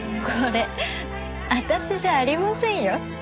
これ私じゃありませんよ。